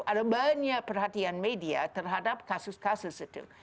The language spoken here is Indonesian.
ada banyak perhatian media terhadap kasus kasus itu